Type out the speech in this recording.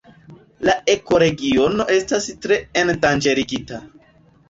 La ekoregiono estas tre endanĝerigita.